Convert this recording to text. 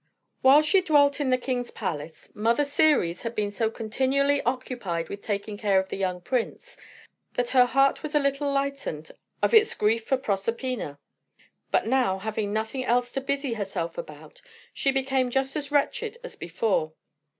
While she dwelt in the king's palace, Mother Ceres had been so continually occupied with taking care of the young prince that her heart was a little lightened of its grief for Proserpina. But now, having nothing else to busy herself about, she became just as wretched as before.